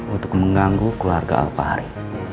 untuk mengganggu keluarga alpahari